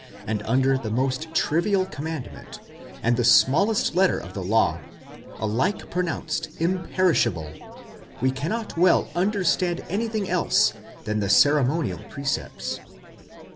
and under the most trivial commandment, and the smallest letter of the law, alike pronounced imperishable, we cannot well understand anything else than the ceremonial precepts."